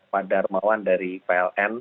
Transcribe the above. pak darmawan dari pln